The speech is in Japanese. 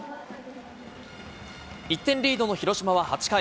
１点リードの広島は、８回。